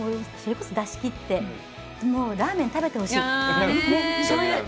それこそ出し切ってもう、ラーメン食べてほしい！